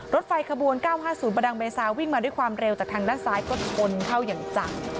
รถไฟขบวน๙๕๐ประดังเบซาวิ่งมาด้วยความเร็วจากทางด้านซ้ายก็ชนเข้าอย่างจัง